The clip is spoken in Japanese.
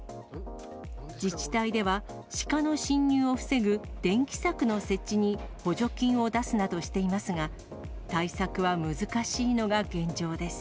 自治体では、シカの侵入を防ぐ電気柵の設置に補助金を出すなどしていますが、対策は難しいのが現状です。